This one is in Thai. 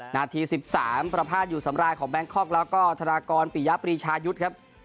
หน้าที่สิบสามผลัพธาตุอยู่สำเรายของแบงค์คอกแล้วก็ธนากรปิยปรีชายุทธ์ครับ